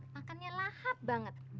makannya lahap banget